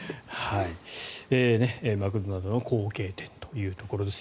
マクドナルドの後継店というところです。